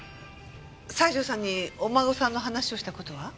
西条さんにお孫さんの話をした事は？